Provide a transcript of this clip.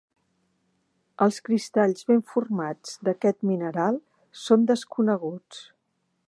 Els cristalls ben formats d'aquest mineral són desconeguts.